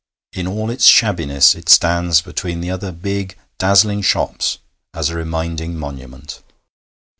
In all its shabbiness it stands between the other big dazzling shops as a reminding monument.